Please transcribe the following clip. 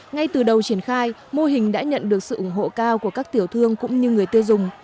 ngay từ đầu triển khai mô hình đã nhận được sự ủng hộ cao của các tiểu thương cũng như người tiêu dùng